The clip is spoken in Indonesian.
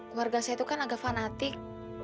keluarga saya itu kan agak fanatik